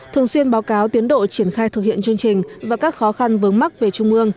thường xuyên báo cáo tiến độ triển khai thực hiện chương trình và các khó khăn vướng mắt về trung ương